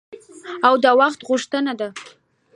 او د وخت غوښتنه ده.